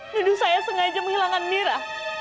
nuduh saya sengaja menghilangkan mira